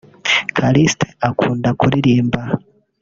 Callixte akunda kuririmba